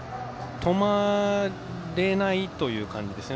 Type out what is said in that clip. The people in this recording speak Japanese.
止まれないという感じですね。